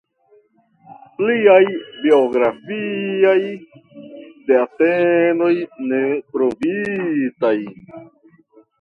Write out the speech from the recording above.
Pliaj biografiaj datenoj ne trovitaj.